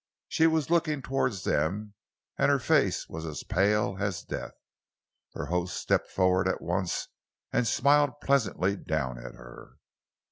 She was looking towards them, and her face was as pale as death. Her host stepped forward at once and smiled pleasantly down at her.